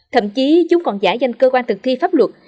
thậm chí chúng còn giả danh cơ quan thực thi pháp luật